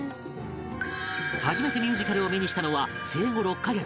初めてミュージカルを目にしたのは生後６カ月。